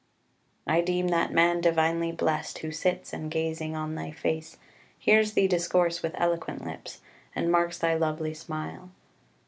2 "I deem that man divinely blest Who sits, and, gazing on thy face, Hears thee discourse with eloquent lips, And marks thy lovely smile.